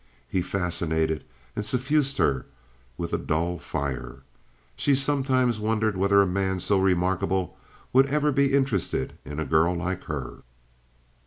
He fascinated and suffused her with a dull fire. She sometimes wondered whether a man so remarkable would ever be interested in a girl like her.